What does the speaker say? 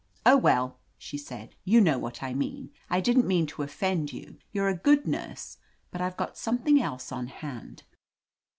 "Oh, well," she said, "you know what I mean. I didn't mean to offend you. You're a goodj nurse, but I've got something else on hand.!